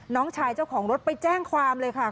น้องชายเจ้าของรถไปแจ้งความเลยค่ะ